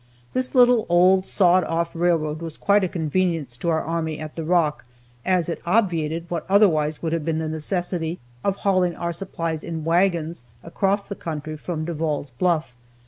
This little old sawed off railroad was quite a convenience to our army at the Rock, as it obviated what otherwise would have been the necessity of hauling our supplies in wagons across the country from Devall's Bluff.